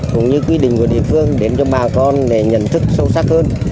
cũng như quy định của địa phương đến cho bà con để nhận thức sâu sắc hơn